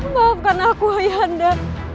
maafkan aku ayah anda